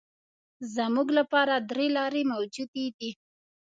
زموږ لپاره درې لارې موجودې دي.